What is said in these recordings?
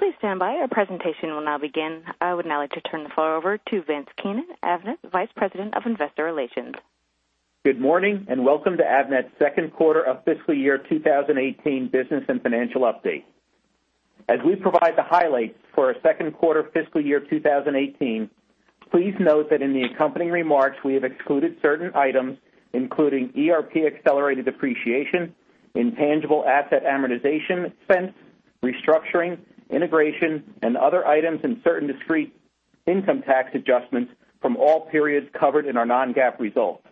Please stand by. Our presentation will now begin. I would now like to turn the floor over to Vince Keenan, Avnet Vice President of Investor Relations. Good morning and welcome to Avnet's Q2 of fiscal year 2018 business and financial update. As we provide the highlights for our Q2 of fiscal year 2018, please note that in the accompanying remarks we have excluded certain items including ERP accelerated depreciation, intangible asset amortization expense, restructuring, integration, and other items in certain discrete income tax adjustments from all periods covered in our non-GAAP results.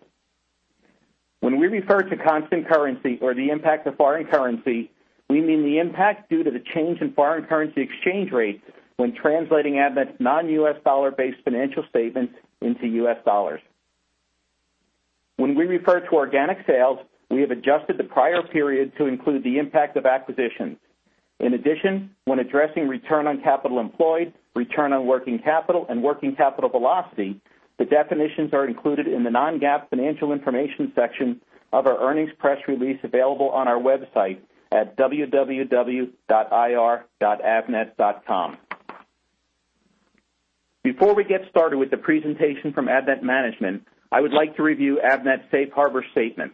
When we refer to constant currency or the impact of foreign currency, we mean the impact due to the change in foreign currency exchange rate when translating Avnet's non-U.S. dollar-based financial statements into U.S. dollars. When we refer to organic sales, we have adjusted the prior period to include the impact of acquisition. In addition, when addressing return on capital employed, return on working capital, and working capital velocity, the definitions are included in the non-GAAP financial information section of our earnings press release available on our website at www.ir.avnet.com. Before we get started with the presentation from Avnet Management, I would like to review Avnet's safe harbor statement.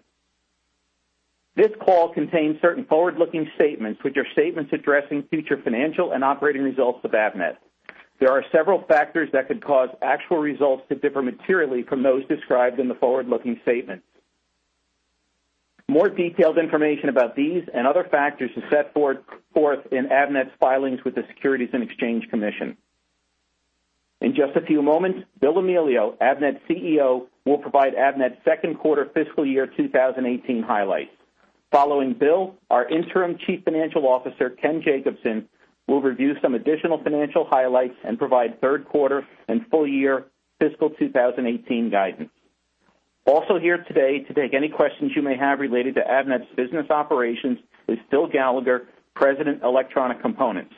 This call contains certain forward-looking statements which are statements addressing future financial and operating results of Avnet. There are several factors that could cause actual results to differ materially from those described in the forward-looking statement. More detailed information about these and other factors is set forth in Avnet's filings with the Securities and Exchange Commission. In just a few moments, Bill Amelio, Avnet CEO, will provide Avnet's Q2 fiscal year 2018 highlights. Following Bill, our interim Chief Financial Officer, Ken Jacobson, will review some additional financial highlights and provide Q3 and full year fiscal 2018 guidance. Also here today to take any questions you may have related to Avnet's business operations is Phil Gallagher, President of Electronic Components.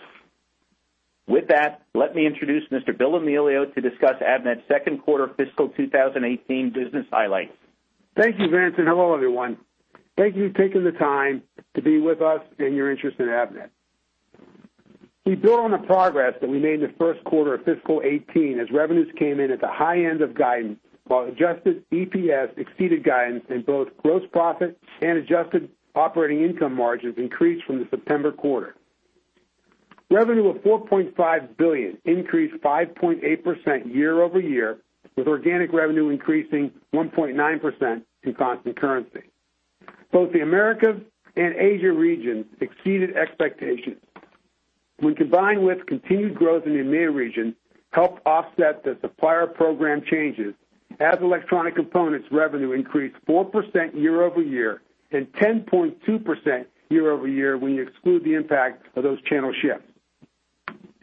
With that, let me introduce Mr. William Amelio to discuss Avnet's Q2 fiscal 2018 business highlights. Thank you, Vince. Hello, everyone. Thank you for taking the time to be with us and your interest in Avnet. We built on the progress that we made in the Q1 of fiscal 2018 as revenues came in at the high end of guidance while adjusted EPS exceeded guidance in both gross profit and adjusted operating income margins increased from the September quarter. Revenue of $4.5 billion increased 5.8% year-over-year, with organic revenue increasing 1.9% in constant currency. Both the Americas and Asia regions exceeded expectations. When combined with continued growth in the EMEA region, it helped offset the supplier program changes as electronic components revenue increased 4% year-over-year and 10.2% year-over-year when you exclude the impact of those channel shifts.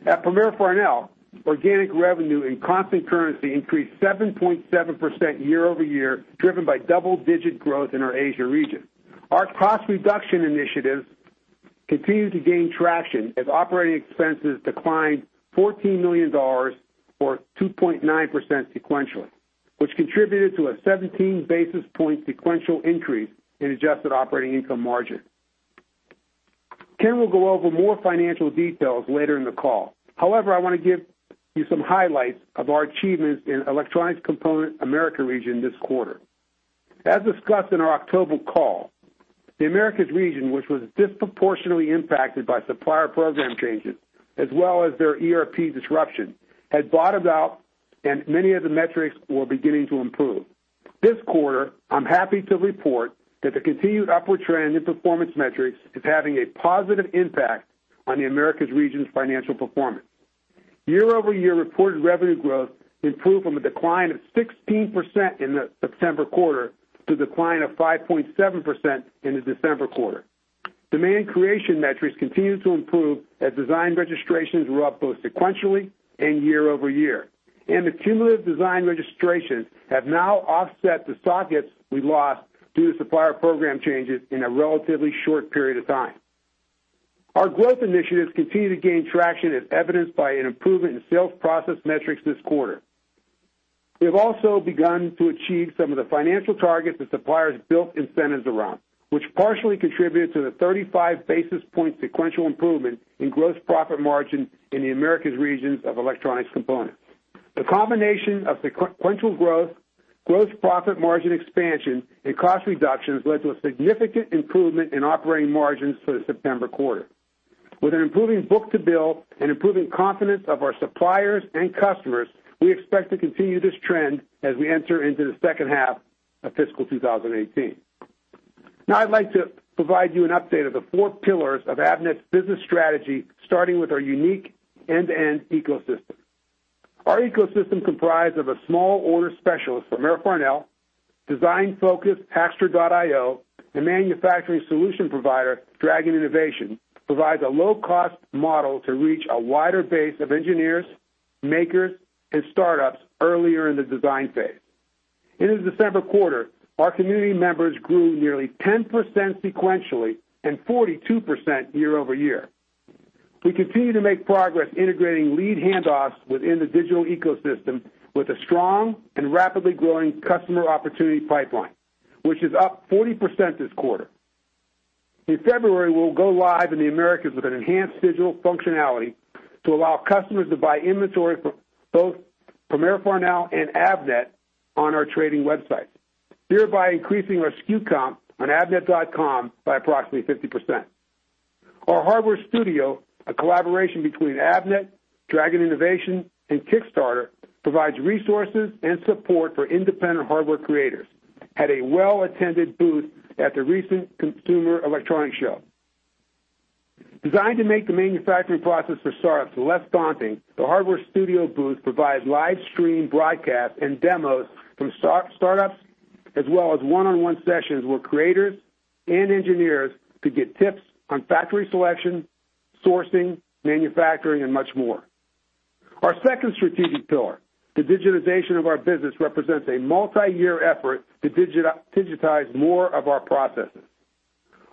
At Premier Farnell, organic revenue in constant currency increased 7.7% year-over-year, driven by double-digit growth in our Asia region. Our cost reduction initiative continued to gain traction as operating expenses declined $14 million or 2.9% sequentially, which contributed to a 17 basis points sequential increase in adjusted operating income margin. Ken will go over more financial details later in the call. However, I want to give you some highlights of our achievements in Electronic Components Americas region this quarter. As discussed in our October call, the Americas region, which was disproportionately impacted by supplier program changes as well as their ERP disruption, had bottomed out and many of the metrics were beginning to improve. This quarter, I'm happy to report that the continued upward trend in performance metrics is having a positive impact on the Americas region's financial performance. Year-over-year, reported revenue growth improved from a decline of 16% in the September quarter to a decline of 5.7% in the December quarter. Demand creation metrics continue to improve as design registrations were up both sequentially and year-over-year, and the cumulative design registrations have now offset the sockets we lost due to supplier program changes in a relatively short period of time. Our growth initiatives continue to gain traction, as evidenced by an improvement in sales process metrics this quarter. We have also begun to achieve some of the financial targets that suppliers built incentives around, which partially contributed to the 35 basis point sequential improvement in gross profit margin in the Americas region of Electronic Components. The combination of sequential growth, gross profit margin expansion, and cost reductions led to a significant improvement in operating margins for the September quarter. With an improving book-to-bill and improving confidence of our suppliers and customers, we expect to continue this trend as we enter into the second half of fiscal 2018. Now, I'd like to provide you an update of the four pillars of Avnet's business strategy, starting with our unique end-to-end ecosystem. Our ecosystem comprised of a small volume specialist from Premier Farnell, design-focused Hackster.io, and manufacturing solution provider Dragon Innovation provides a low-cost model to reach a wider base of engineers, makers, and startups earlier in the design phase. In the December quarter, our community members grew nearly 10% sequentially and 42% year-over-year. We continue to make progress integrating lead handoffs within the digital ecosystem with a strong and rapidly growing customer opportunity pipeline, which is up 40% this quarter. In February, we'll go live in the Americas with an enhanced digital functionality to allow customers to buy inventory from both Premier Farnell and Avnet on our trading website, thereby increasing our SKU count on Avnet.com by approximately 50%. Our Hardware Studio, a collaboration between Avnet, Dragon Innovation, and Kickstarter, provides resources and support for independent hardware creators. Had a well-attended booth at the recent Consumer Electronics Show. Designed to make the manufacturing process for startups less daunting, the Hardware Studio booth provides live stream broadcasts and demos from startups, as well as one-on-one sessions where creators and engineers could get tips on factory selection, sourcing, manufacturing, and much more. Our second strategic pillar, the digitization of our business, represents a multi-year effort to digitize more of our processes.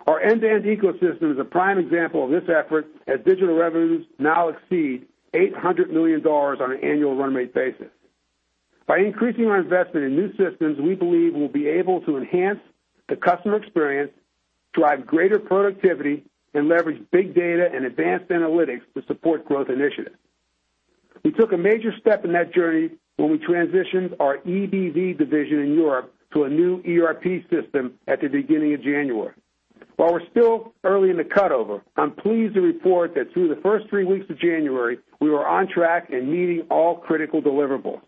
Our end-to-end ecosystem is a prime example of this effort, as digital revenues now exceed $800 million on an annual run rate basis. By increasing our investment in new systems, we believe we'll be able to enhance the customer experience, drive greater productivity, and leverage big data and advanced analytics to support growth initiatives. We took a major step in that journey when we transitioned our EBV division in Europe to a new ERP system at the beginning of January. While we're still early in the cutover, I'm pleased to report that through the first three weeks of January, we were on track and meeting all critical deliverables.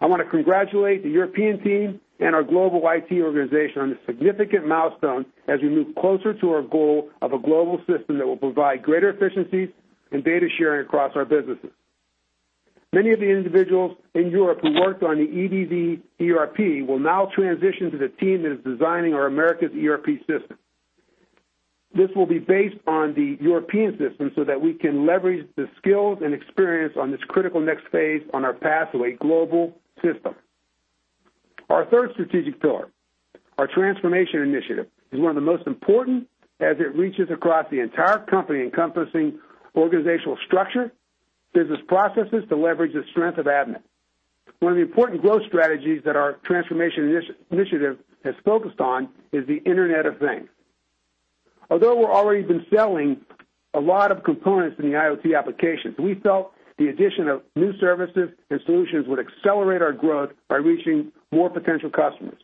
I want to congratulate the European team and our global IT organization on a significant milestone as we move closer to our goal of a global system that will provide greater efficiencies and data sharing across our businesses. Many of the individuals in Europe who worked on the EBV ERP will now transition to the team that is designing our Americas ERP system. This will be based on the European system so that we can leverage the skills and experience on this critical next phase on our path to a global system. Our third strategic pillar, our transformation initiative, is one of the most important as it reaches across the entire company, encompassing organizational structure, business processes to leverage the strength of Avnet. One of the important growth strategies that our transformation initiative has focused on is the Internet of Things. Although we've already been selling a lot of components in the IoT applications, we felt the addition of new services and solutions would accelerate our growth by reaching more potential customers.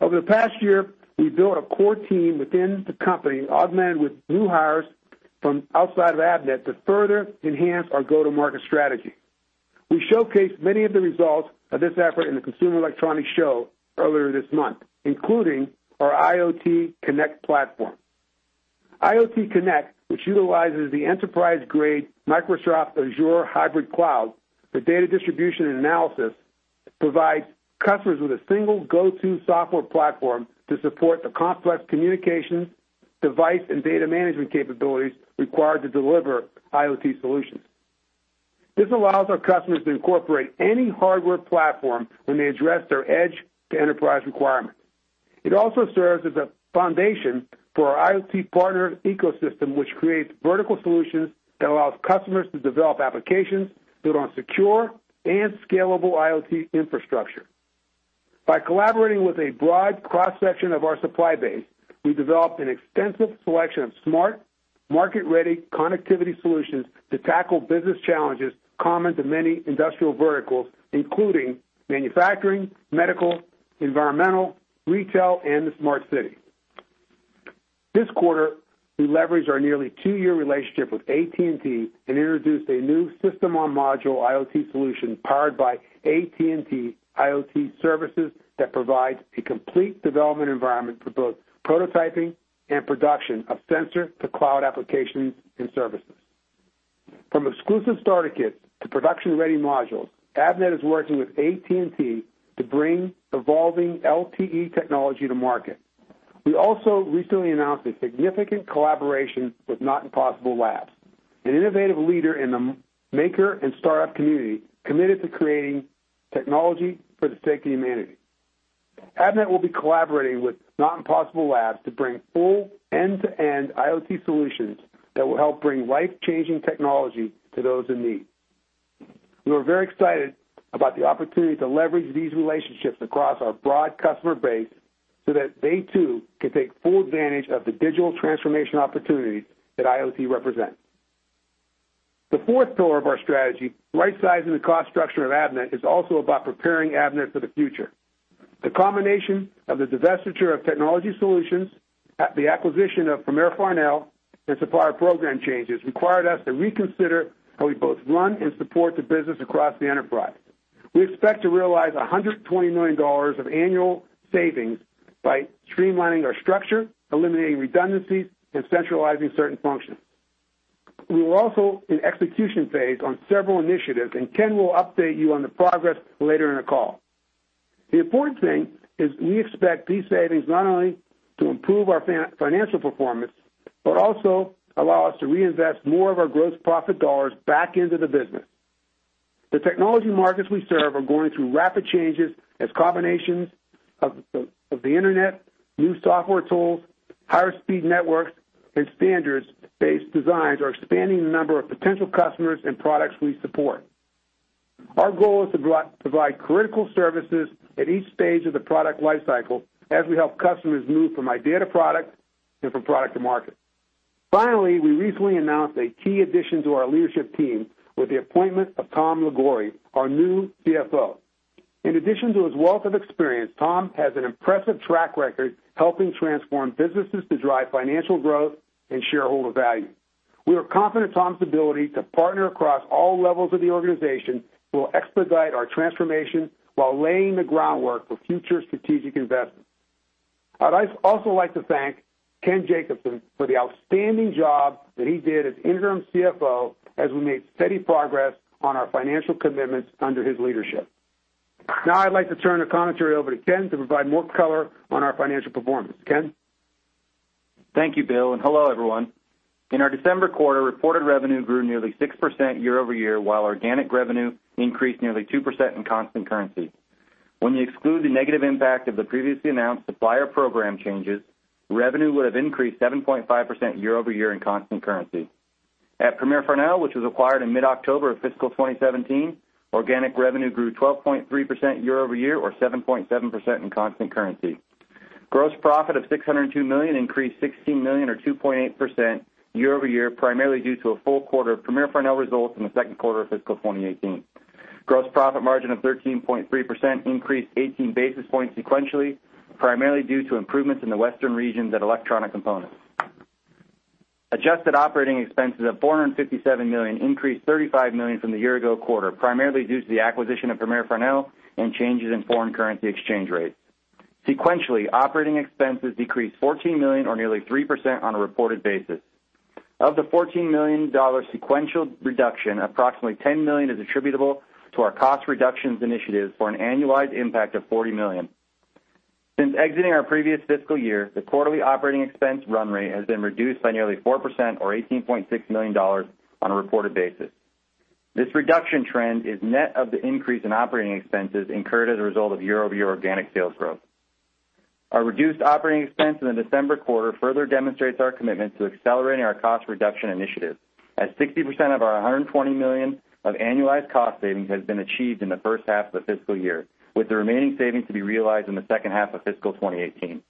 Over the past year, we built a core team within the company, augmented with new hires from outside of Avnet to further enhance our go-to-market strategy. We showcased many of the results of this effort in the Consumer Electronics Show earlier this month, including our IoTConnect platform. IoTConnect, which utilizes the enterprise-grade Microsoft Azure Hybrid Cloud for data distribution and analysis, provides customers with a single go-to software platform to support the complex communication, device, and data management capabilities required to deliver IoT solutions. This allows our customers to incorporate any hardware platform when they address their edge-to-enterprise requirements. It also serves as a foundation for our IoT partner ecosystem, which creates vertical solutions that allow customers to develop applications built on secure and scalable IoT infrastructure. By collaborating with a broad cross-section of our supply base, we developed an extensive selection of smart, market-ready connectivity solutions to tackle business challenges common to many industrial verticals, including manufacturing, medical, environmental, retail, and the smart city. This quarter, we leveraged our nearly two-year relationship with AT&T and introduced a new system-on-module IoT solution powered by AT&T IoT services that provides a complete development environment for both prototyping and production of sensor-to-cloud applications and services. From exclusive starter kits to production-ready modules, Avnet is working with AT&T to bring evolving LTE technology to market. We also recently announced a significant collaboration with Not Impossible Labs, an innovative leader in the maker and startup community committed to creating technology for the sake of humanity. Avnet will be collaborating with Not Impossible Labs to bring full end-to-end IoT solutions that will help bring life-changing technology to those in need. We're very excited about the opportunity to leverage these relationships across our broad customer base so that they, too, can take full advantage of the digital transformation opportunities that IoT represents. The fourth pillar of our strategy, right-sizing the cost structure of Avnet, is also about preparing Avnet for the future. The combination of the divestiture of Technology Solutions, the acquisition of Premier Farnell, and supplier program changes required us to reconsider how we both run and support the business across the enterprise. We expect to realize $120 million of annual savings by streamlining our structure, eliminating redundancies, and centralizing certain functions. We were also in execution phase on several initiatives, and Ken will update you on the progress later in the call. The important thing is we expect these savings not only to improve our financial performance but also allow us to reinvest more of our gross profit dollars back into the business. The technology markets we serve are going through rapid changes as combinations of the Internet, new software tools, higher-speed networks, and standards-based designs are expanding the number of potential customers and products we support. Our goal is to provide critical services at each stage of the product lifecycle as we help customers move from idea to product and from product to market. Finally, we recently announced a key addition to our leadership team with the appointment of Tom Liguori, our new CFO. In addition to his wealth of experience, Tom has an impressive track record helping transform businesses to drive financial growth and shareholder value. We are confident Tom's ability to partner across all levels of the organization will expedite our transformation while laying the groundwork for future strategic investments. I'd also like to thank Ken Jacobson for the outstanding job that he did as interim CFO as we made steady progress on our financial commitments under his leadership. Now, I'd like to turn the commentary over to Ken to provide more color on our financial performance. Ken. Thank you, Bill. And hello, everyone. In our December quarter, reported revenue grew nearly 6% year-over-year, while organic revenue increased nearly 2% in constant currency. When you exclude the negative impact of the previously announced supplier program changes, revenue would have increased 7.5% year-over-year in constant currency. At Premier Farnell, which was acquired in mid-October of fiscal 2017, organic revenue grew 12.3% year-over-year, or 7.7% in constant currency. Gross profit of $602 million increased $16 million, or 2.8% year-over-year, primarily due to a full quarter of Premier Farnell results in the Q2 of fiscal 2018. Gross profit margin of 13.3% increased 18 basis points sequentially, primarily due to improvements in the Western region and electronic components. Adjusted operating expenses of $457 million increased $35 million from the year-ago quarter, primarily due to the acquisition of Premier Farnell and changes in foreign currency exchange rates. Sequentially, operating expenses decreased $14 million, or nearly 3% on a reported basis. Of the $14 million sequential reduction, approximately $10 million is attributable to our cost reductions initiatives for an annualized impact of $40 million. Since exiting our previous fiscal year, the quarterly operating expense run rate has been reduced by nearly 4%, or $18.6 million on a reported basis. This reduction trend is net of the increase in operating expenses incurred as a result of year-over-year organic sales growth. Our reduced operating expense in the December quarter further demonstrates our commitment to accelerating our cost reduction initiative, as 60% of our $120 million of annualized cost savings has been achieved in the first half of the fiscal year, with the remaining savings to be realized in the second half of fiscal 2018.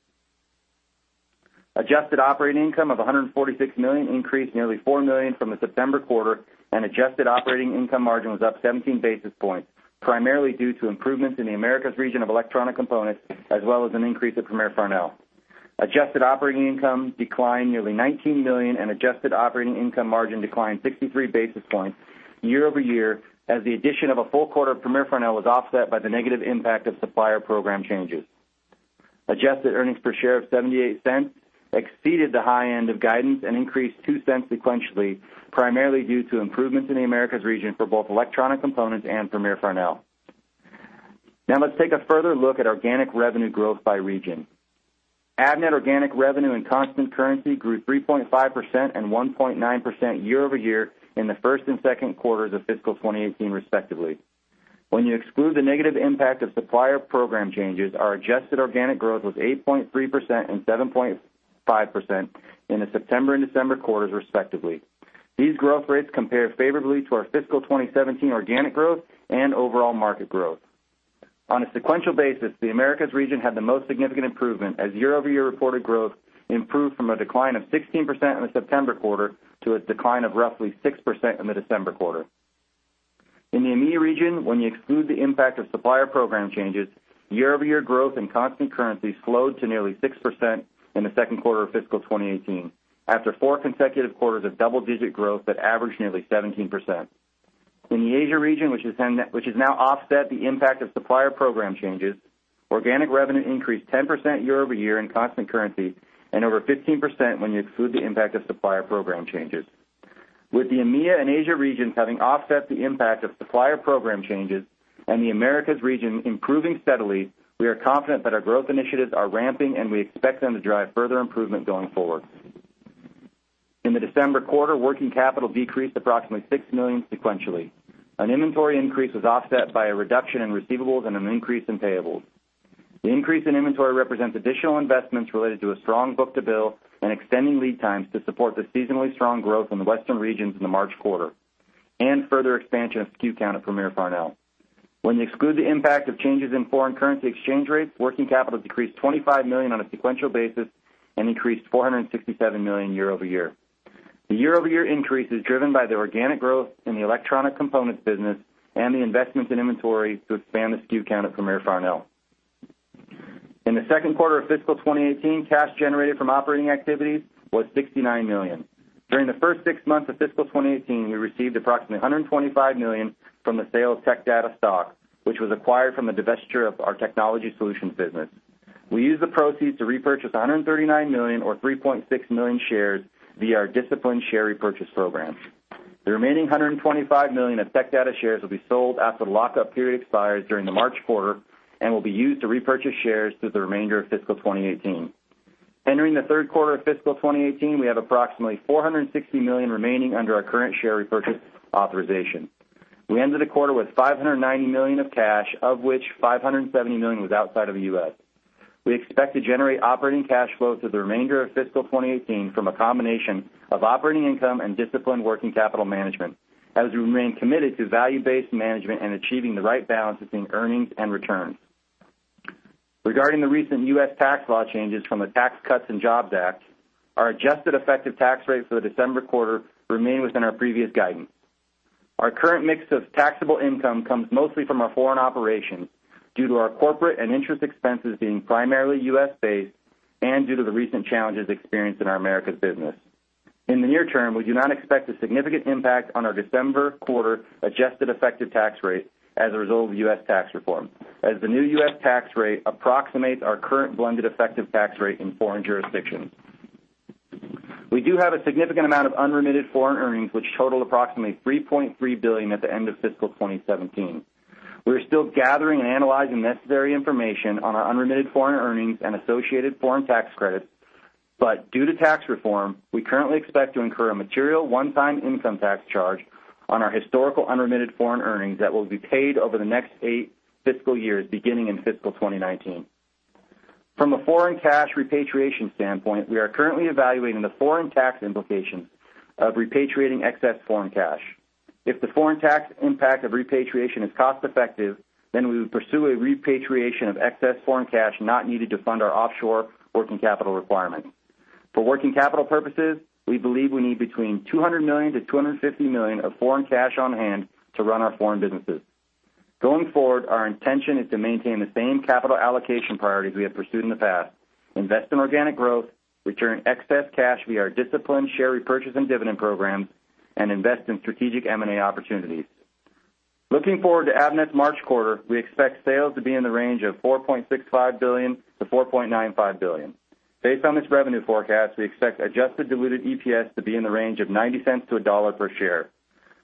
Adjusted operating income of $146 million increased nearly $4 million from the September quarter, and adjusted operating income margin was up 17 basis points, primarily due to improvements in the Americas region of electronic components, as well as an increase at Premier Farnell. Adjusted operating income declined nearly $19 million, and adjusted operating income margin declined 63 basis points year-over-year, as the addition of a full quarter of Premier Farnell was offset by the negative impact of supplier program changes. Adjusted earnings per share of $0.78 exceeded the high end of guidance and increased $0.02 sequentially, primarily due to improvements in the Americas region for both electronic components and Premier Farnell. Now, let's take a further look at organic revenue growth by region. Avnet organic revenue in constant currency grew 3.5% and 1.9% year-over-year in the first and Q2s of fiscal 2018, respectively. When you exclude the negative impact of supplier program changes, our adjusted organic growth was 8.3% and 7.5% in the September and December quarters, respectively. These growth rates compare favorably to our fiscal 2017 organic growth and overall market growth. On a sequential basis, the Americas region had the most significant improvement, as year-over-year reported growth improved from a decline of 16% in the September quarter to a decline of roughly 6% in the December quarter. In the EMEA region, when you exclude the impact of supplier program changes, year-over-year growth in constant currency slowed to nearly 6% in the Q2 of fiscal 2018, after four consecutive quarters of double-digit growth that averaged nearly 17%. In the Asia region, which now offsets the impact of supplier program changes, organic revenue increased 10% year-over-year in constant currency and over 15% when you exclude the impact of supplier program changes. With the EMEA and Asia regions having offset the impact of supplier program changes and the Americas region improving steadily, we are confident that our growth initiatives are ramping, and we expect them to drive further improvement going forward. In the December quarter, working capital decreased approximately $6 million sequentially. An inventory increase was offset by a reduction in receivables and an increase in payables. The increase in inventory represents additional investments related to a strong book-to-bill and extending lead times to support the seasonally strong growth in the Western regions in the March quarter and further expansion of SKU count at Premier Farnell. When you exclude the impact of changes in foreign currency exchange rates, working capital decreased $25 million on a sequential basis and increased $467 million year-over-year. The year-over-year increase is driven by the organic growth in the electronic components business and the investments in inventory to expand the SKU count at Premier Farnell. In the Q2 of fiscal 2018, cash generated from operating activities was $69 million. During the first six months of fiscal 2018, we received approximately $125 million from the sale of Tech Data, which was acquired from the divestiture of our technology solutions business. We used the proceeds to repurchase $139 million, or 3.6 million, shares via our disciplined share repurchase programs. The remaining $125 million of Tech Data shares will be sold after the lockup period expires during the March quarter and will be used to repurchase shares through the remainder of fiscal 2018. Entering the Q3 of fiscal 2018, we have approximately $460 million remaining under our current share repurchase authorization. The end of the quarter was $590 million of cash, of which $570 million was outside of the U.S. We expect to generate operating cash flow through the remainder of fiscal 2018 from a combination of operating income and disciplined working capital management, as we remain committed to value-based management and achieving the right balance between earnings and returns. Regarding the recent U.S. tax law changes from the Tax Cuts and Jobs Act, our adjusted effective tax rate for the December quarter remained within our previous guidance. Our current mix of taxable income comes mostly from our foreign operations due to our corporate and interest expenses being primarily U.S.-based and due to the recent challenges experienced in our Americas business. In the near term, we do not expect a significant impact on our December quarter adjusted effective tax rate as a result of U.S. tax reform, as the new U.S. Tax rate approximates our current blended effective tax rate in foreign jurisdictions. We do have a significant amount of unremitted foreign earnings, which total approximately $3.3 billion at the end of fiscal 2017. We are still gathering and analyzing necessary information on our unremitted foreign earnings and associated foreign tax credits, but due to tax reform, we currently expect to incur a material one-time income tax charge on our historical unremitted foreign earnings that will be paid over the next eight fiscal years, beginning in fiscal 2019. From a foreign cash repatriation standpoint, we are currently evaluating the foreign tax implications of repatriating excess foreign cash. If the foreign tax impact of repatriation is cost-effective, then we would pursue a repatriation of excess foreign cash not needed to fund our offshore working capital requirements. For working capital purposes, we believe we need between $200 million-$250 million of foreign cash on hand to run our foreign businesses. Going forward, our intention is to maintain the same capital allocation priorities we have pursued in the past: invest in organic growth, return excess cash via our disciplined share repurchase and dividend programs, and invest in strategic M&A opportunities. Looking forward to Avnet's March quarter, we expect sales to be in the range of $4.65 billion-$4.95 billion. Based on this revenue forecast, we expect Adjusted Diluted EPS to be in the range of $0.90-$1 per share.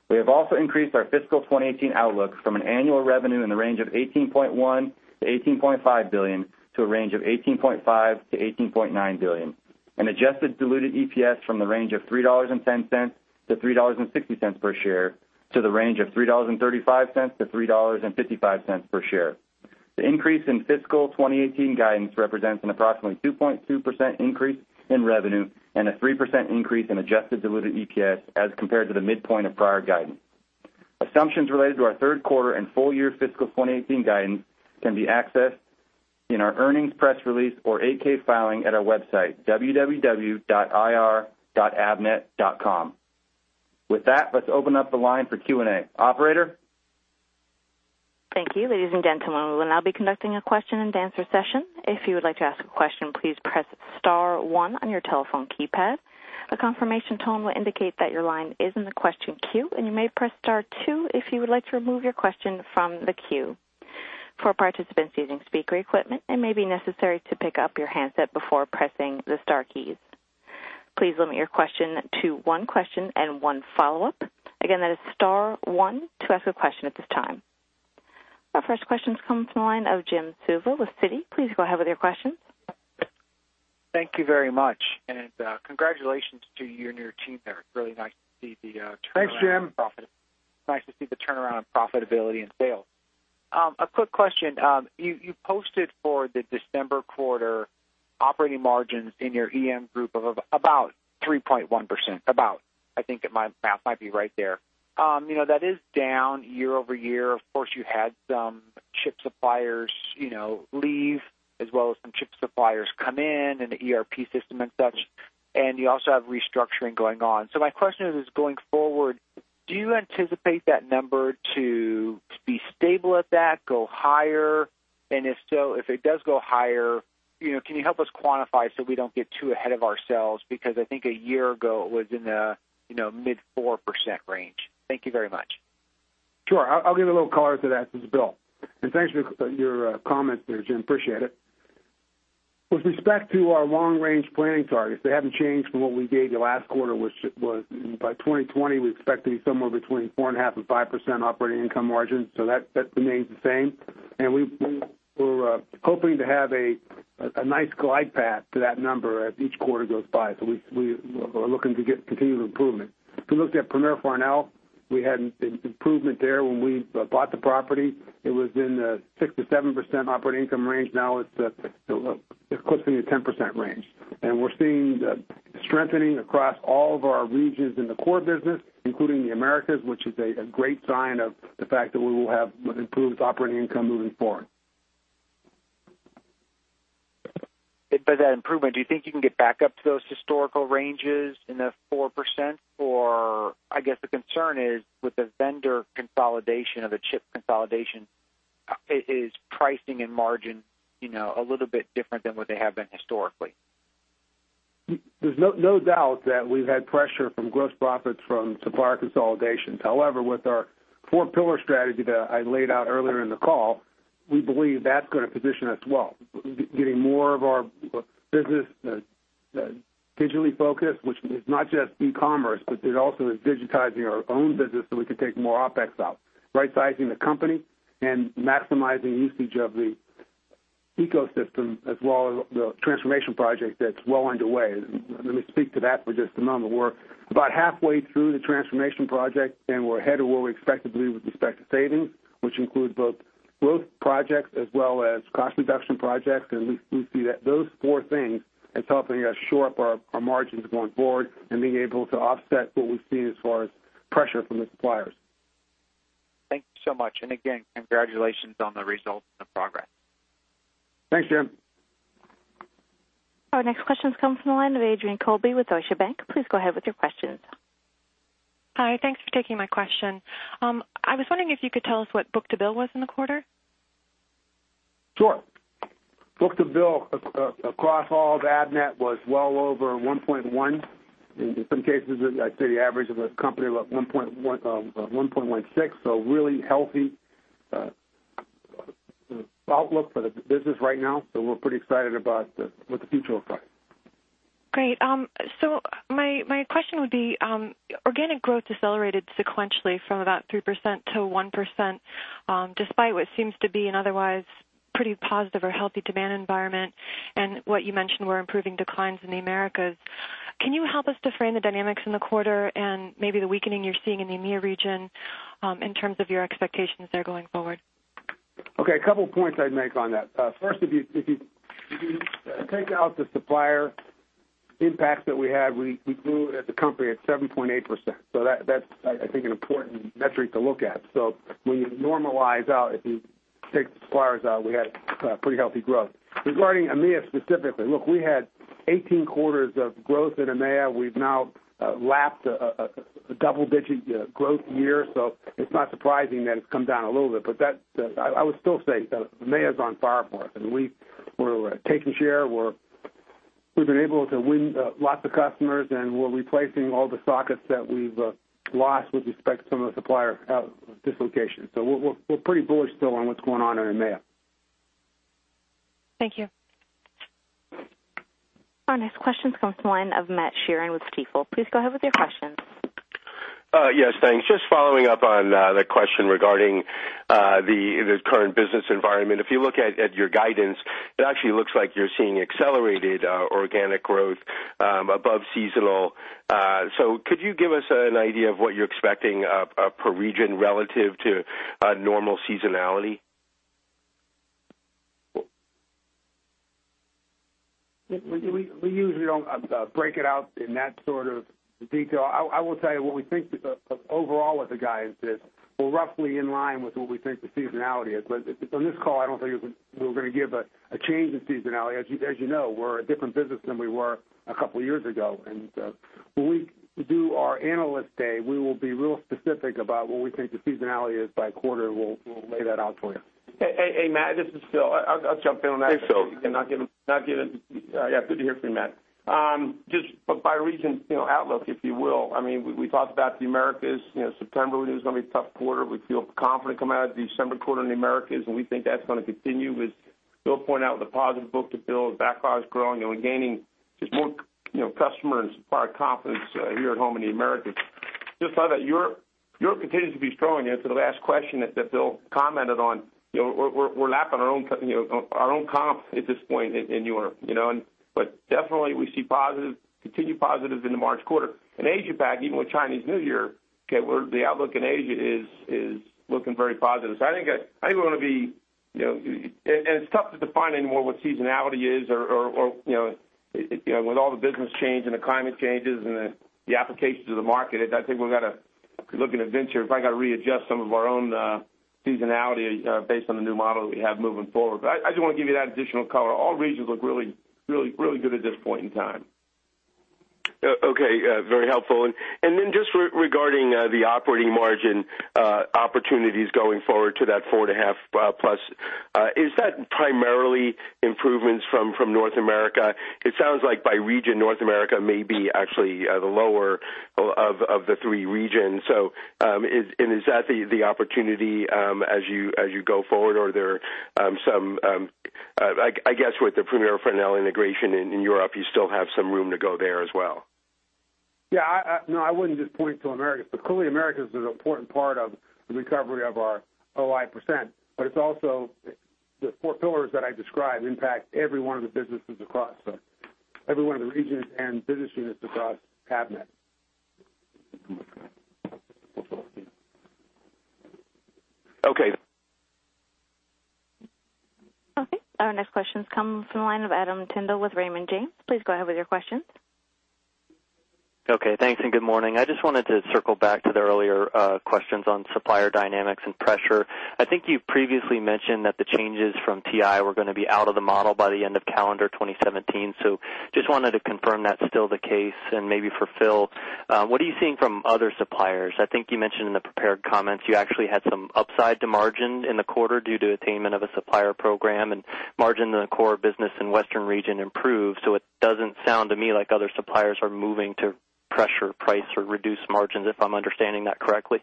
We have also increased our fiscal 2018 outlook from an annual revenue in the range of $18.1-$18.5 billion to a range of $18.5-$18.9 billion, and adjusted diluted EPS from the range of $3.10-$3.60 per share to the range of $3.35-$3.55 per share. The increase in fiscal 2018 guidance represents an approximately 2.2% increase in revenue and a 3% increase in adjusted diluted EPS as compared to the midpoint of prior guidance. Assumptions related to our Q3 and full year fiscal 2018 guidance can be accessed in our earnings press release or 8-K filing at our website, www.ir.avnet.com. With that, let's open up the line for Q&A. Operator. Thank you. Ladies and gentlemen, we will now be conducting a question-and-answer session. If you would like to ask a question, please press Star 1 on your telephone keypad. A confirmation tone will indicate that your line is in the question queue, and you may press Star 2 if you would like to remove your question from the queue. For participants using speaker equipment, it may be necessary to pick up your handset before pressing the Star keys. Please limit your question to one question and one follow-up. Again, that is Star 1 to ask a question at this time. Our first question is coming from the line of Jim Suva with Citi. Please go ahead with your question. Thank you very much. Congratulations to you and your team there. It's really nice to see the turnaround and profitability. Thanks, Jim. Nice to see the turnaround and profitability and sales. A quick question. You posted for the December quarter operating margins in your EMEA group of about 3.1%, about. I think my math might be right there. You know, that is down year-over-year. Of course, you had some chip suppliers, you know, leave, as well as some chip suppliers come in and the ERP system and such. And you also have restructuring going on. So my question is, going forward, do you anticipate that number to be stable at that, go higher? And if so, if it does go higher, you know, can you help us quantify so we don't get too ahead of ourselves? Because I think a year ago it was in the, you know, mid 4% range. Thank you very much. Sure. I'll give you a little color to that since Bill. And thanks for your comment there, Jim. Appreciate it. With respect to our long-range planning targets, they haven't changed from what we gave you last quarter, which was by 2020, we expect to be somewhere between 4.5%-5% operating income margin. So that remains the same. And we're hoping to have a nice glide path to that number as each quarter goes by. So we are looking to get continued improvement. If you looked at Premier Farnell, we had improvement there when we bought the property. It was in the 6%-7% operating income range. Now it's closer to the 10% range. And we're seeing strengthening across all of our regions in the core business, including the Americas, which is a great sign of the fact that we will have improved operating income moving forward. But that improvement, do you think you can get back up to those historical ranges in the 4%? Or I guess the concern is with the vendor consolidation of the chip consolidation, is pricing and margin, you know, a little bit different than what they have been historically? There's no doubt that we've had pressure from gross profits from supplier consolidations. However, with our four-pillar strategy that I laid out earlier in the call, we believe that's going to position us well. Getting more of our business digitally focused, which is not just e-commerce, but it also is digitizing our own business so we can take more OpEx out. Right-sizing the company and maximizing usage of the ecosystem as well as the transformation project that's well underway. Let me speak to that for just a moment. We're about halfway through the transformation project, and we're ahead of where we expect to be with respect to savings, which includes both growth projects as well as cost reduction projects. We see that those four things are helping us shore up our margins going forward and being able to offset what we've seen as far as pressure from the suppliers. Thank you so much. And again, congratulations on the results and the progress. Thanks, Jim. Our next question has come from the line of Adrienne Colby with Deutsche Bank. Please go ahead with your questions. Hi. Thanks for taking my question. I was wondering if you could tell us what book-to-bill was in the quarter. Sure. Book-to-bill across all of Avnet was well over 1.1. In some cases, I'd say the average of a company of 1.16. So really healthy outlook for the business right now. So we're pretty excited about what the future looks like. Great. So my question would be, organic growth accelerated sequentially from about 3%-1% despite what seems to be an otherwise pretty positive or healthy demand environment and what you mentioned were improving declines in the Americas. Can you help us define the dynamics in the quarter and maybe the weakening you're seeing in the EMEA region in terms of your expectations there going forward? Okay. A couple of points I'd make on that. First, if you take out the supplier impacts that we had, we grew as a company at 7.8%. So that's, I think, an important metric to look at. So when you normalize out, if you take suppliers out, we had pretty healthy growth. Regarding EMEA specifically, look, we had 18 quarters of growth in EMEA. We've now lapped a double-digit growth year. So it's not surprising that it's come down a little bit. But I would still say EMEA is on fire for us. And we're taking share. We've been able to win lots of customers, and we're replacing all the sockets that we've lost with respect to some of the supplier dislocation. So we're pretty bullish still on what's going on in EMEA. Thank you. Our next question has come from the line of Matt Sheerin with Stifel. Please go ahead with your question. Yes, thanks. Just following up on the question regarding the current business environment, if you look at your guidance, it actually looks like you're seeing accelerated organic growth above seasonal. So could you give us an idea of what you're expecting per region relative to normal seasonality? We usually don't break it out in that sort of detail. I will tell you what we think overall with the guidance is we're roughly in line with what we think the seasonality is. But on this call, I don't think we're going to give a change in seasonality. As you know, we're a different business than we were a couple of years ago. And when we do our analyst day, we will be real specific about what we think the seasonality is by quarter. We'll lay that out for you. Hey, Matt, this is Phil. I'll jump in on that. Thanks, Phil. Yeah, good to hear from you, Matt. Just by region outlook, if you will, I mean, we talked about the Americas. September, we knew it was going to be a tough quarter. We feel confident coming out of the December quarter in the Americas. And we think that's going to continue. We'll point out the positive book-to-bill, backlogs growing, and we're gaining just more customer and supplier confidence here at home in the Americas. Just thought that Europe continues to be strong. To the last question that Phil commented on, we're lacking our own confidence at this point in Europe. But definitely, we see continued positives in the March quarter. Asia Pac, even with Chinese New Year, okay, the outlook in Asia is looking very positive. So I think we're going to be, and it's tough to define anymore what seasonality is, or with all the business change and the climate changes and the applications of the market, I think we've got to look at events here. If I got to readjust some of our own seasonality based on the new model that we have moving forward. But I just want to give you that additional color. All regions look really, really, really good at this point in time. Okay. Very helpful. And then just regarding the operating margin opportunities going forward to that 4.5+, is that primarily improvements from North America? It sounds like by region, North America may be actually the lower of the three regions. And is that the opportunity as you go forward, or are there some—I guess with the Premier Farnell integration in Europe, you still have some room to go there as well? Yeah. No, I wouldn't just point to America. But clearly, America is an important part of the recovery of our 0.5%. But it's also the four pillars that I described impact every one of the businesses across, every one of the regions and business units across Avnet. Okay. Okay. Our next question has come from the line of Adam Tindle with Raymond James. Please go ahead with your question. Okay. Thanks and good morning. I just wanted to circle back to the earlier questions on supplier dynamics and pressure. I think you previously mentioned that the changes from TI were going to be out of the model by the end of calendar 2017. So just wanted to confirm that's still the case. And maybe for Phil, what are you seeing from other suppliers? I think you mentioned in the prepared comments you actually had some upside to margin in the quarter due to attainment of a supplier program, and margin in the core business in Western Region improved. So it doesn't sound to me like other suppliers are moving to pressure price or reduce margins, if I'm understanding that correctly.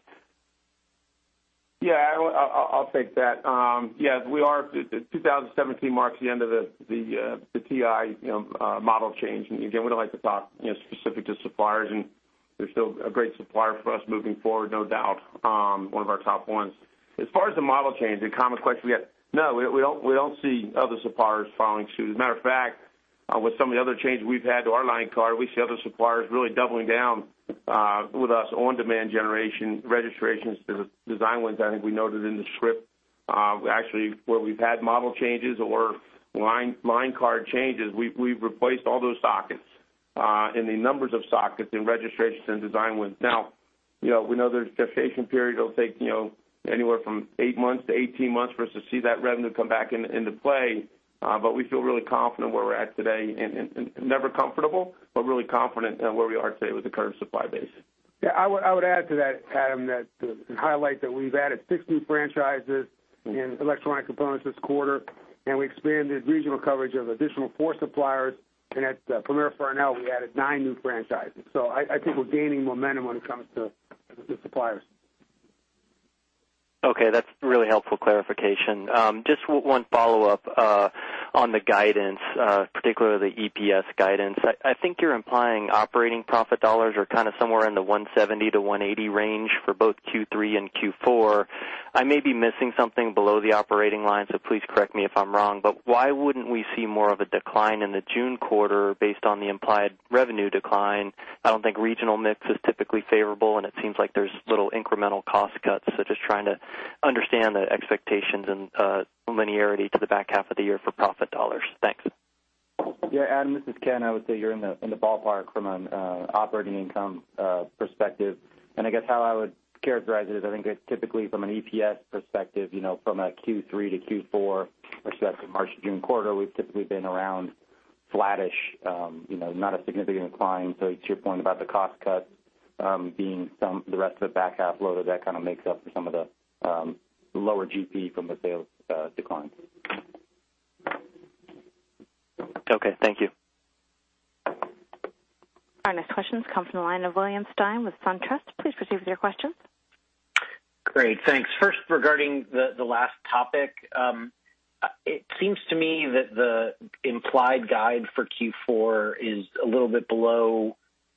Yeah, I'll take that. Yes, we are. 2017 marks the end of the TI model change. Again, we don't like to talk specifics to suppliers. They're still a great supplier for us moving forward, no doubt. One of our top ones. As far as the model change, the common question we get, no, we don't see other suppliers following suit. As a matter of fact, with some of the other changes we've had to our line card, we see other suppliers really doubling down with us on demand generation, registrations, design wins. I think we noted in the script. Actually, where we've had model changes or line card changes, we've replaced all those sockets and the numbers of sockets and registrations and design wins. Now, we know there's a gestation period. It'll take anywhere from eight months to 18 months for us to see that revenue come back into play. But we feel really confident where we're at today. Never comfortable, but really confident where we are today with the current supply base. Yeah, I would add to that, Adam, and highlight that we've added 6 new franchises in electronic components this quarter. We expanded regional coverage of additional 4 suppliers. And at Premier Farnell, we added 9 new franchises. So I think we're gaining momentum when it comes to the suppliers. Okay. That's really helpful clarification. Just one follow-up on the guidance, particularly the EPS guidance. I think you're implying operating profit dollars are kind of somewhere in the 170-180 range for both Q3 and Q4. I may be missing something below the operating line, so please correct me if I'm wrong. But why wouldn't we see more of a decline in the June quarter based on the implied revenue decline? I don't think regional mix is typically favorable, and it seems like there's little incremental cost cuts. So just trying to understand the expectations and linearity to the back half of the year for profit dollars. Thanks. Yeah, Adam, this is Ken. I would say you're in the ballpark from an operating income perspective. And I guess how I would characterize it is I think typically from an EPS perspective, from Q3 to Q4, especially after March to June quarter, we've typically been around flattish, not a significant decline. So to your point about the cost cut being the rest of the back half, that kind of makes up for some of the lower GP from the sales decline. Okay. Thank you. Our next question has come from the line of William Stein with SunTrust. Please proceed with your question. Great. Thanks. First, regarding the last topic, it seems to me that the implied guidance for Q4 is a little bit below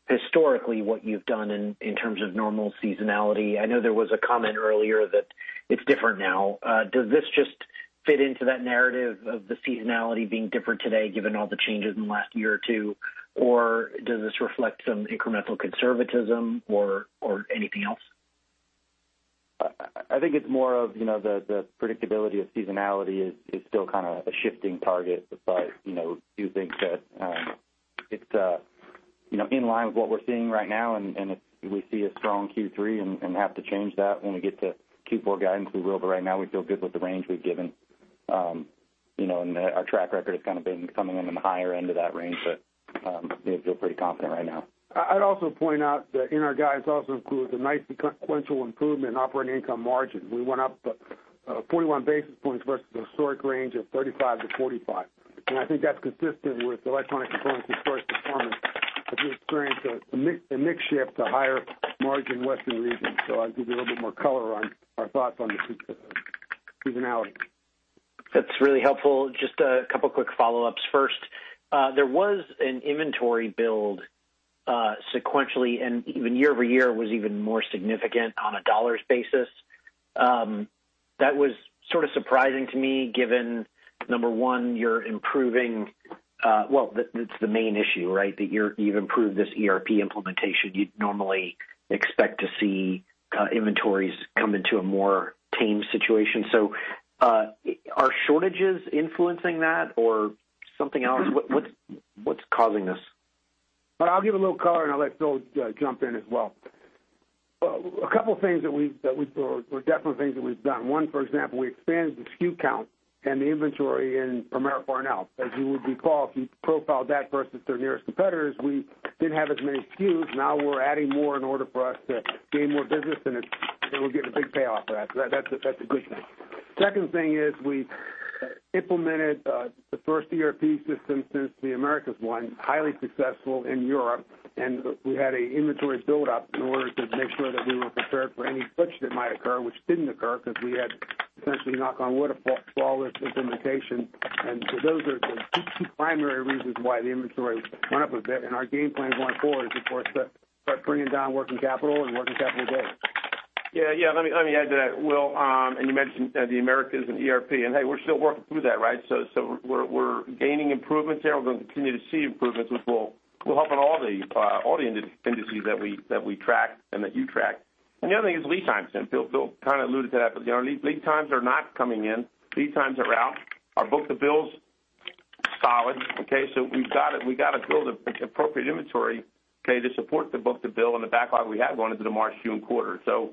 historically what you've done in terms of normal seasonality. I know there was a comment earlier that it's different now. Does this just fit into that narrative of the seasonality being different today given all the changes in the last year or two? Or does this reflect some incremental conservatism or anything else? I think it's more of the predictability of seasonality is still kind of a shifting target. But do you think that it's in line with what we're seeing right now? And if we see a strong Q3 and have to change that when we get to Q4 guidance, we will. But right now, we feel good with the range we've given. Our track record has kind of been coming in on the higher end of that range. But I feel pretty confident right now. I'd also point out that in our guidance also includes a nice sequential improvement in operating income margin. We went up 41 basis points versus the historic range of 35-45. And I think that's consistent with electronic components' expressed performance. But we experienced a mixed shift to higher margin in Western regions. So I'll give you a little bit more color on our thoughts on the seasonality. That's really helpful. Just a couple of quick follow-ups. First, there was an inventory build sequentially, and even year-over-year was even more significant on a dollars basis. That was sort of surprising to me given, number one, you're improving, well, that's the main issue, right? That you've improved this ERP implementation. You'd normally expect to see inventories come into a more tamed situation. So are shortages influencing that or something else? What's causing this? But I'll give a little color and I'll let Phil jump in as well. A couple of things that we've done, well, definitely things that we've done. One, for example, we expanded the SKU count and the inventory in Premier Farnell. As you would recall, if you profiled that versus their nearest competitors, we didn't have as many SKUs. Now we're adding more in order for us to gain more business, and we'll get a big payoff for that. So that's a good thing. Second thing is we implemented the first ERP system since the Americas one, highly successful in Europe. We had an inventory build-up in order to make sure that we were prepared for any switch that might occur, which didn't occur because we had essentially knock on wood a flawless implementation. So those are the two primary reasons why the inventory went up a bit. Our game plan going forward is, of course, to start bringing down working capital and working capital down. Yeah, yeah. Let me add that. Well, and you mentioned the Americas and ERP. Hey, we're still working through that, right? So we're gaining improvements there. We're going to continue to see improvements, which will help on all the indices that we track and that you track. The other thing is lead times. Phil kind of alluded to that. But lead times are not coming in. Lead times are out. Our book-to-bill is solid. Okay? So we've got to build appropriate inventory, okay, to support the book-to-bill and the backlog we had going into the March-June quarter. So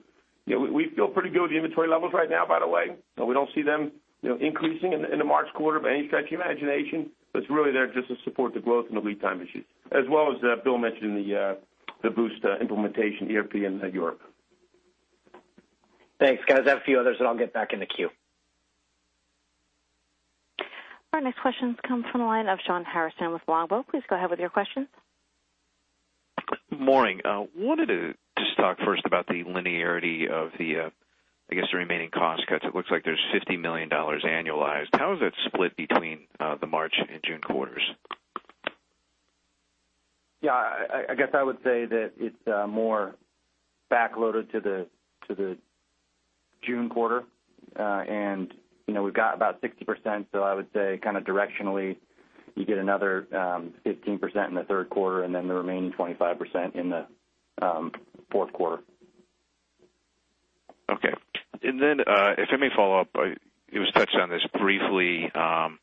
we feel pretty good with the inventory levels right now, by the way. We don't see them increasing in the March quarter, not by any stretch of the imagination. But it's really there just to support the growth and the lead time issues, as well as Phil mentioned, the go-live implementation ERP in Europe. Thanks, guys. I have a few others, and I'll get back in the queue. Our next question has come from the line of Shawn Harrison with Longbow Research. Please go ahead with your question. Morning. I wanted to just talk first about the linearity of the, I guess, the remaining cost cuts. It looks like there's $50 million annualized. How is that split between the March and June quarters? Yeah, I guess I would say that it's more backloaded to the June quarter. We've got about 60%. So I would say kind of directionally, you get another 15% in the Q3 and then the remaining 25% in the Q4. Okay. And then if I may follow up, it was touched on this briefly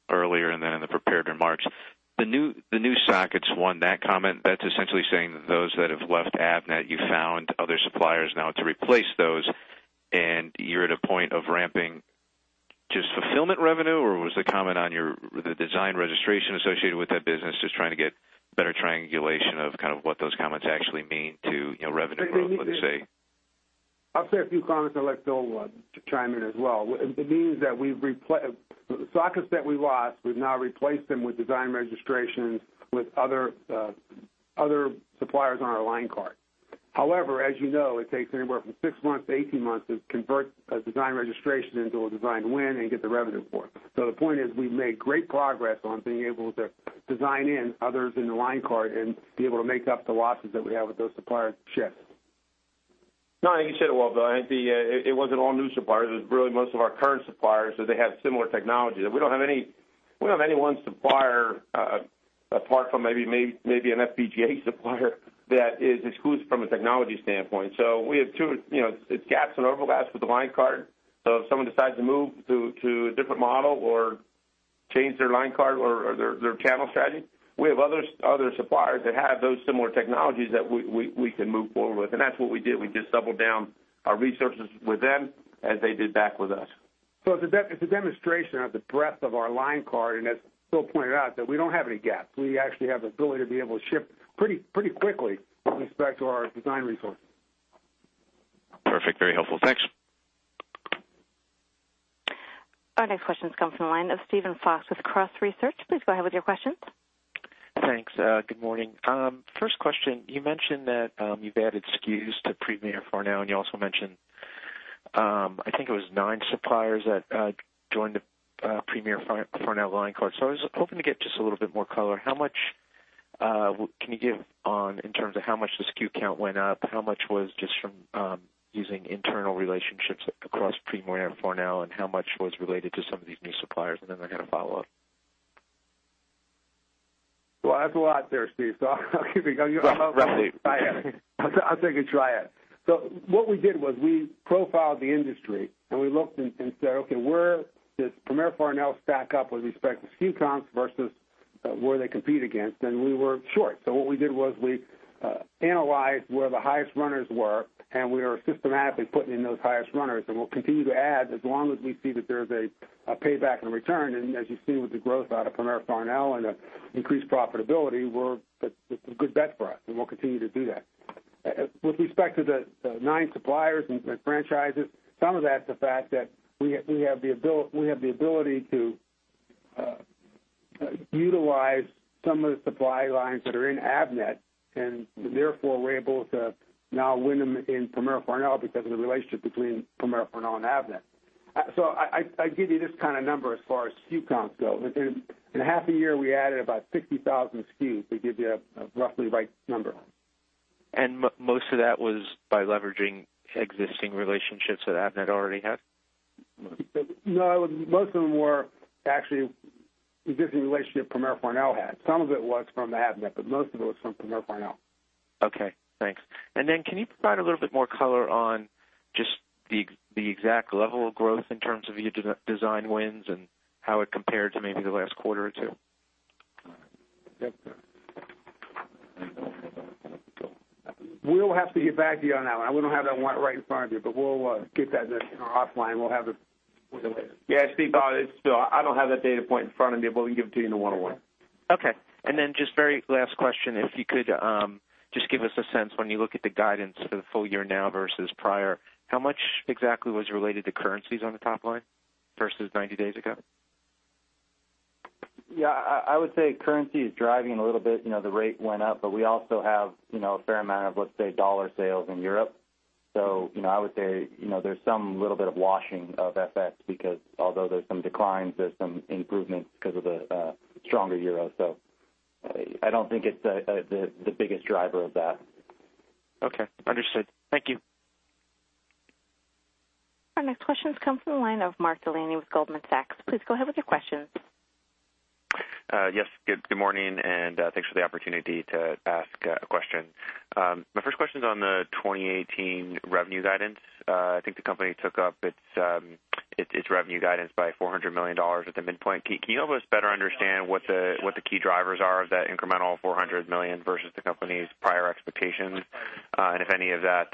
earlier and then in the prepared in March. The new sockets won that comment. That's essentially saying that those that have left Avnet, you found other suppliers. Now it's to replace those. And you're at a point of ramping just fulfillment revenue, or was the comment on the design registration associated with that business just trying to get better triangulation of kind of what those comments actually mean to revenue growth, let's say? I'll say a few comments to let Phil chime in as well. It means that we've replaced sockets that we lost. We've now replaced them with design registrations with other suppliers on our line card. However, as you know, it takes anywhere from 6-18 months to convert a design registration into a design win and get the revenue for it. So the point is we've made great progress on being able to design in others in the line card and be able to make up the losses that we have with those supplier shifts. No, I think you said it well, though. It wasn't all new suppliers. It was really most of our current suppliers that they had similar technology. We don't have any one supplier apart from maybe an FPGA supplier that is exclusive from a technology standpoint. So we have two gaps in overlap with the line card. So if someone decides to move to a different model or change their line card or their channel strategy, we have other suppliers that have those similar technologies that we can move forward with. And that's what we did. We just doubled down our resources with them as they did back with us. So it's a demonstration of the breadth of our line card. And as Phil pointed out, we don't have any gaps. We actually have the ability to be able to shift pretty quickly with respect to our design resource. Perfect. Very helpful. Thanks. Our next question has come from the line of Steven Fox with Cross Research. Please go ahead with your questions. Thanks. Good morning. First question, you mentioned that you've added SKUs to Premier Farnell. And you also mentioned, I think it was 9 suppliers that joined the Premier Farnell line card. So I was hoping to get just a little bit more color. How much can you give on in terms of how much the SKU count went up? How much was just from using internal relationships across Premier Farnell? And how much was related to some of these new suppliers? And then I had a follow-up. Well, I have a lot there, Steve. So I'll keep you going. I'll take a try at it. So what we did was we profiled the industry. And we looked and said, "Okay, where did Premier Farnell stack up with respect to SKU counts versus where they compete against?" And we were short. So what we did was we analyzed where the highest runners were. And we are systematically putting in those highest runners. And we'll continue to add as long as we see that there's a payback and return. As you see with the growth out of Premier Farnell and the increased profitability, it's the best for us. We'll continue to do that. With respect to the nine suppliers and franchises, some of that's the fact that we have the ability to utilize some of the supply lines that are in Avnet. And therefore, we're able to now win them in Premier Farnell because of the relationship between Premier Farnell and Avnet. So I give you this kind of number as far as SKU counts go. In a half a year, we added about 60,000 SKUs. They give you a roughly right number. And most of that was by leveraging existing relationships that Avnet already had? No, most of them were actually existing relationships Premier Farnell had. Some of it was from Avnet, but most of it was from Premier Farnell. Okay. Thanks. And then can you provide a little bit more color on just the exact level of growth in terms of your design wins and how it compared to maybe the last quarter or two? We'll have to get back to you on that one. We don't have that right in front of me, but we'll get that offline. We'll have it with the latest. Yeah, Steve, I don't have that data point in front of me, but we'll give it to you in the one-on-one. Okay. And then just very last question, if you could just give us a sense when you look at the guidance for the full year now versus prior, how much exactly was related to currencies on the top line versus 90 days ago? Yeah, I would say currency is driving a little bit. The rate went up, but we also have a fair amount of, let's say, dollar sales in Europe. So I would say there's some little bit of washing of effects because although there's some declines, there's some improvements because of the stronger euro. So I don't think it's the biggest driver of that. Okay. Understood. Thank you. Our next question has come from the line of Mark Delaney with Goldman Sachs. Please go ahead with your question. Yes. Good morning, and thanks for the opportunity to ask a question. My first question is on the 2018 revenue guidance. I think the company took up its revenue guidance by $400 million at the midpoint. Can you help us better understand what the key drivers are of that incremental $400 million versus the company's prior expectations? And if any of that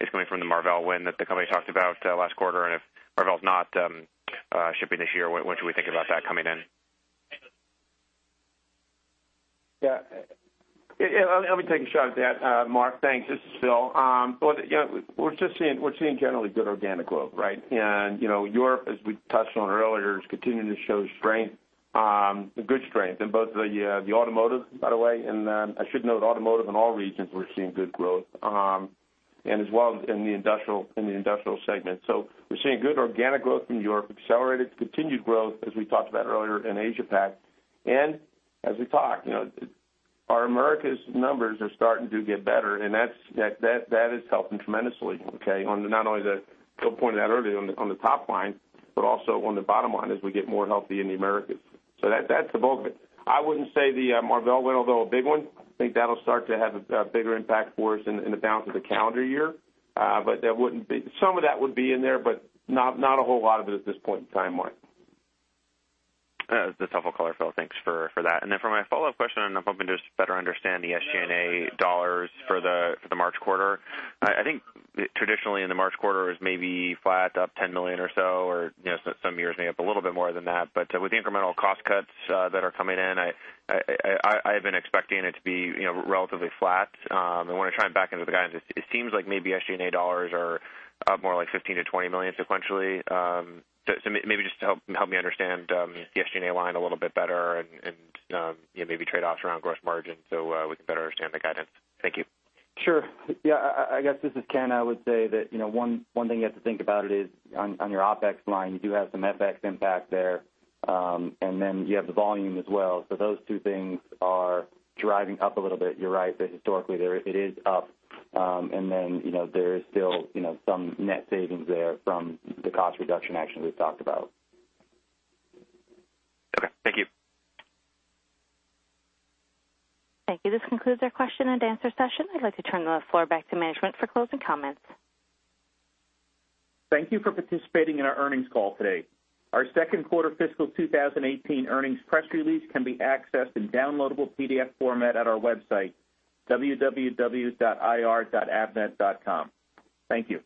is coming from the Marvell win that the company talked about last quarter, and if Marvell's not shipping this year, what should we think about that coming in? Yeah. Let me take a shot at that, Mark. Thanks. This is Phil. Well, we're seeing generally good organic growth, right? And Europe, as we touched on earlier, is continuing to show strength, good strength, in both the automotive, by the way. And I should note automotive in all regions, we're seeing good growth. And as well in the industrial segment. So we're seeing good organic growth in Europe, accelerated continued growth, as we talked about earlier in Asia PAC. And as we talk, our Americas numbers are starting to get better. And that is helping tremendously, okay, on not only the Phil pointed out earlier on the top line, but also on the bottom line as we get more healthy in the Americas. So that's the bulk of it. I wouldn't say the Marvell win, although a big one, I think that'll start to have a bigger impact for us in the balance of the calendar year. But some of that would be in there, but not a whole lot of it at this point in time. The tougher color, Phil. Thanks for that. And then for my follow-up question, I'm hoping to just better understand the SG&A dollars for the March quarter. I think traditionally in the March quarter is maybe flat, up $10 million or so, or some years may have a little bit more than that. But with the incremental cost cuts that are coming in, I have been expecting it to be relatively flat. And when I try and back into the guidance, it seems like maybe SG&A dollars are up more like $15 million-$20 million sequentially. So maybe just help me understand the SG&A line a little bit better and maybe trade-offs around gross margin so we can better understand the guidance. Thank you. Sure. Yeah. I guess this is Ken. I would say that one thing you have to think about it is on your OPEX line, you do have some FX impact there. And then you have the volume as well. So those two things are driving up a little bit. You're right that historically there it is up. And then there is still some net savings there from the cost reduction actions we've talked about. Okay. Thank you. Thank you. This concludes our question and answer session. I'd like to turn the floor back to management for closing comments. Thank you for participating in our earnings call today. Our Q2 fiscal 2018 earnings press release can be accessed in downloadable PDF format at our website, www.ir.avnet.com. Thank you.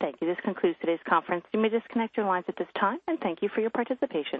Thank you. This concludes today's conference. You may disconnect your lines at this time. Thank you for your participation.